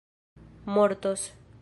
mortos